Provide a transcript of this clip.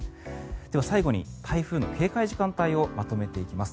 では、最後に台風の警戒時間帯をまとめていきます。